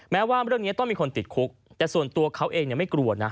แม้ว่าเรื่องนี้ต้องมีคนติดคุกแต่ส่วนตัวเขาเองไม่กลัวนะ